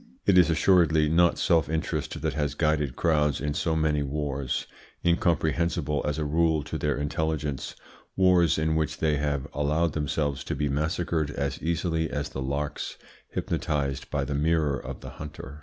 It is assuredly not self interest that has guided crowds in so many wars, incomprehensible as a rule to their intelligence wars in which they have allowed themselves to be massacred as easily as the larks hypnotised by the mirror of the hunter.